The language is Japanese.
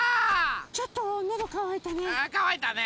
ちょっとのどかわいたね。